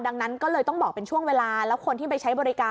ดังนั้นก็เลยต้องบอกเป็นช่วงเวลาแล้วคนที่ไปใช้บริการ